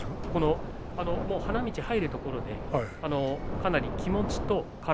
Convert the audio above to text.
花道入るところでかなり気持ちと体